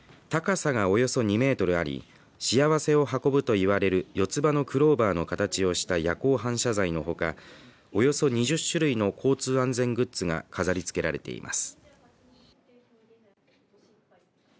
高さがおよそ２メートルあり幸せを運ぶといわれる四つ葉のクローバーの形をした夜光反射材のほかおよそ２０種類の交通安全グッズが飾り付けられています。